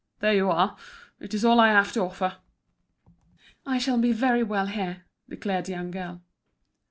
There you are; it's all I have to offer." "I shall be very well here," declared the young girl.